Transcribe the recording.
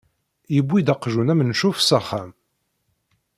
Yewwi-d aqjun amencuf s axxam.